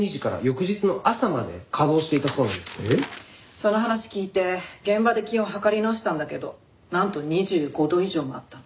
その話聞いて現場で気温を測り直したんだけどなんと２５度以上もあったの。